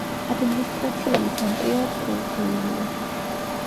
ადმინისტრაციული ცენტრია ტრუხილიო.